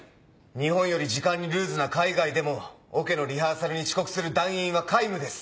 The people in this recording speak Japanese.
日本より時間にルーズな海外でもオケのリハーサルに遅刻する団員は皆無です。